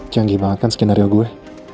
canggih banget kan skenario gue